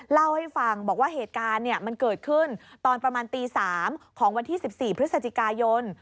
เล่าให้ฟังบอกว่าเหตุการณ์มันเกิดขึ้นตอนประมาณตี๓ของวันที่๑๔พฤศจิกายน